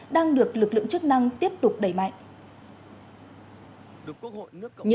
đang được lực lượng chức năng tiếp tục đẩy mạnh